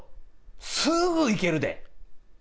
すぐいけるで！